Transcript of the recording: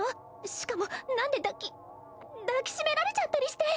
しかも何で抱き抱きしめられちゃったりして！